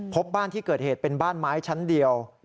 พบบ้านที่เกิดเหตุเป็นบ้านไม้ชั้นเดียว